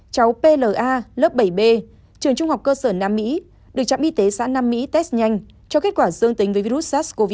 cháu pla lớp bảy b trường trung học cơ sở nam mỹ được trạm y tế xã nam mỹ test nhanh cho kết quả dương tính với virus sars cov hai